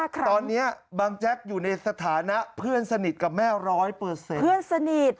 ตอนนี้บางแจ๊กอยู่ในสถานะเพื่อนสนิทกับแม่ร้อยเปอร์เซ็นต์เพื่อนสนิท